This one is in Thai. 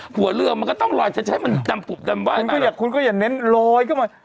หัวเรือมันก็ต้องลอยจะใช้มันดำปุบดำไห้มากคุณก็อย่าเน้นลอยเข้ามา